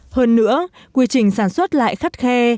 hơn nữa quy trình sản xuất lại khắt khe